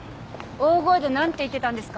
大声で何て言ってたんですか？